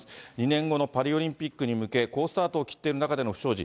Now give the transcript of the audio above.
２年後のパリオリンピックに向け、好スタートを切っている中での不祥事。